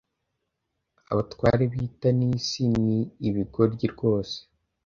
Abatware b’i Tanisi ni ibigoryi rwose,